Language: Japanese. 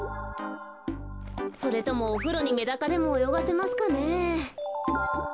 それともおふろにメダカでもおよがせますかねえ。